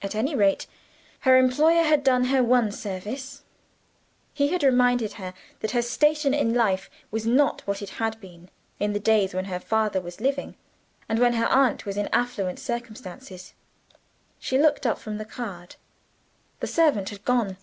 At any rate, her employer had done her one service: he had reminded her that her station in life was not what it had been in the days when her father was living, and when her aunt was in affluent circumstances. She looked up from the card. The servant had gone.